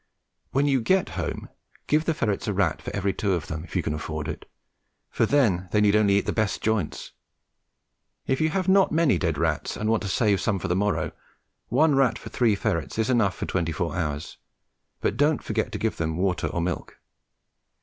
When you get home, give the ferrets a rat for every two of them, if you can afford it, for then they need only eat the best joints. If you have not many dead rats and want to save some for the morrow, one rat for three ferrets is enough for twenty four hours; but don't forget to give them water or milk.